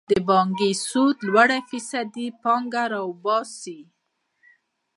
د بانکي سود لوړه فیصدي پانګه وباسي.